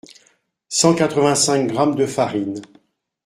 Cent-quatre-vingt-cinq grammes de farine.